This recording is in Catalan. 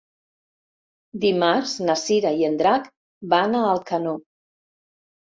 Dimarts na Cira i en Drac van a Alcanó.